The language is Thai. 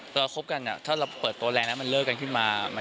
เราคบกันถ้าเราเปิดตัวแรงแล้วมันเลิกกันขึ้นมา